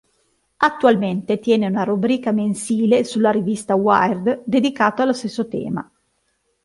Attualmente tiene una rubrica mensile sulla rivista Wired dedicata allo stesso tema.